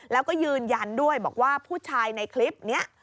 แล้วก็ยืนยันด้วยบอกว่าผู้ชายในคลิปนี้